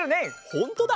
ほんとだ！